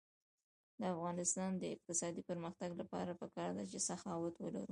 د افغانستان د اقتصادي پرمختګ لپاره پکار ده چې سخاوت ولرو.